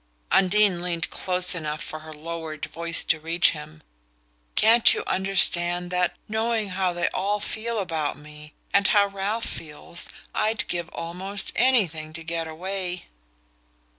Undine leaned close enough for her lowered voice to reach him. "Can't you understand that, knowing how they all feel about me and how Ralph feels I'd give almost anything to get away?"